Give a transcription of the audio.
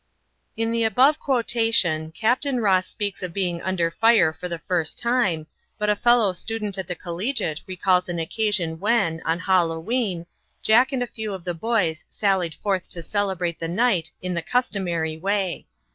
In the above quotation Capt. Ross speaks of being under fire for the first time, but a fellow student at the Collegiate recalls an occasion when, on Halloween, Jack and a few of the boys sallied forth to celebrate the night in the customary way.